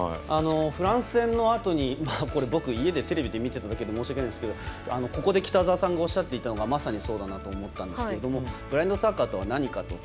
フランス戦のあとに僕、テレビで見てただけで申し訳ないんですけど、ここで北澤さんがおっしゃっていたのがまさにそうだなと思ったんですがブラインドサッカーとは何かと。